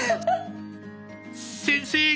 先生